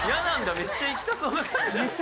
めっちゃ行きたそうな感じなのに。